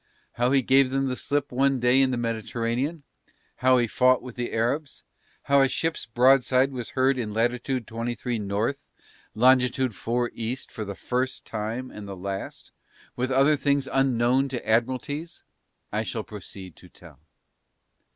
How he gave them the slip one day in the Mediterranean, how he fought with the Arabs, how a ship's broadside was heard in Lat. 23 N. Long. 4 E. for the first time and the last, with other things unknown to Admiralties, I shall proceed to tell.